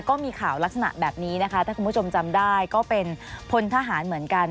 ก็มีข่าวลักษณะแบบนี้นะคะถ้าคุณผู้ชมจำได้ก็เป็นพลทหารเหมือนกัน